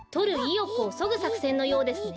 よくをそぐさくせんのようですね。